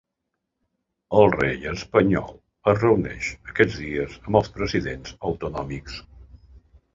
El rei espanyol es reuneix aquests dies amb els presidents autonòmics.